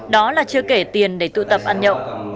đó là chưa kể tiền để tụ tập ăn nhậu